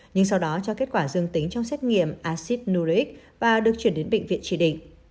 nhưng sau đó cho kết quả dương tính trong xét nghiệm acid nuric và được chuyển đến bệnh viện chỉ định